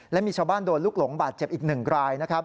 และมีชาวบ้านโดนลุกหลงบาดเจ็บอีกหนึ่งราย